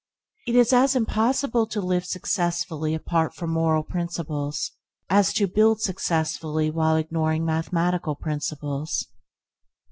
It is as impossible to live successfully apart from moral principles, as to build successfully while ignoring mathematical principles.